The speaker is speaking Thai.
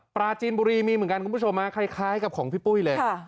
ปลาจีนบุรีมีเหมือนกันคุณผู้ชมคล้ายกับของพี่ปุ้ยเลย